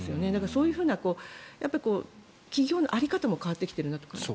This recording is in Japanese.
そういうような企業の在り方も変わってきているなと。